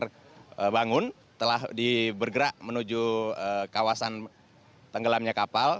sinar bangun telah dibergerak menuju kawasan tenggelamnya kapal